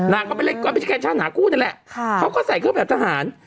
นางเขาไปเล่นกรณ์พิธีแกรมชาญหาคู่นั่นแหละค่ะเขาก็ใส่เครื่องแบบทหาร